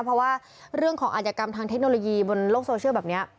เพราะว่าเรื่องของอาจยกรรมทางเทคโนโลยีบนโลกโซเชียลแบบนี้